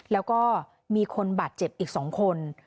แล้วก็มีคนบาดเจ็บอีก๒คน